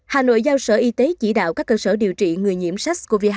hà nội giao sở y tế chỉ đạo các cơ sở điều trị người nhiễm sars cov hai